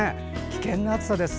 危険な暑さです。